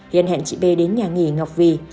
hiền hẹn chị b đến nhà nghỉ ngọc vy